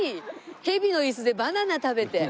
ヘビの椅子でバナナ食べて。